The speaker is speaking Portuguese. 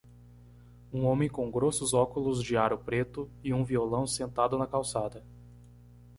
Um homem com grossos óculos de aro preto e um violão sentado na calçada.